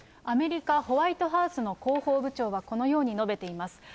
アメリカ、ホワイトハウスの広報部長は、このように述べています。